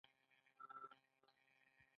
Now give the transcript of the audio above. هغه د یادونه پر څنډه ساکت ولاړ او فکر وکړ.